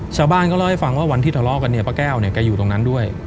ชาวบ้านก็เล่าให้ฟังว่าวันที่ทะเลาะกันเนี่ยป้าแก้วเนี่ยแกอยู่ตรงนั้นด้วย